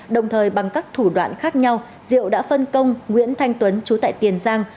đồng thời bằng các thủ đoạn khác nhau diệu đã phân công nguyễn thanh tuấn chú tại tiền giang